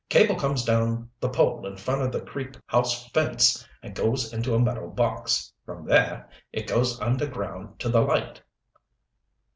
Cable comes down the pole in front of the Creek House fence and goes into a metal box. From there it goes underground to the light."